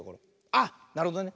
あっなるほどね。